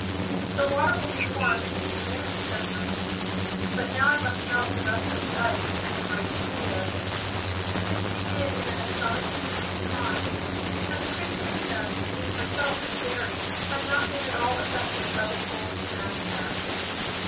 "The water will be warm in a few minutes," said the Queen. "But now I must melt the rest of the ice and liberate Clia." This she did in an astonishingly brief time, and the pretty princess, being herself a fairy, had not been at all affected by the cold surrounding her.